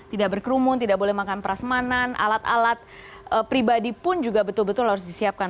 tidak berkerumun tidak boleh makan perasmanan alat alat pribadi pun juga betul betul harus disiapkan